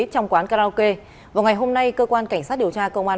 trong quán karaoke vào ngày hôm nay cơ quan cảnh sát điều tra công an